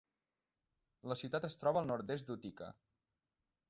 La ciutat es troba al nord-est d'Utica.